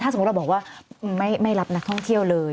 สมมุติเราบอกว่าไม่รับนักท่องเที่ยวเลย